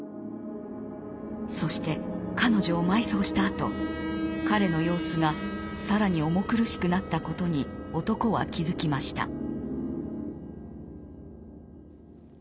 そして彼女を埋葬したあと彼の様子が更に重苦しくなったことに男は気付きました。